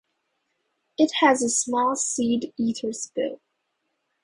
It has a small seed-eater's bill.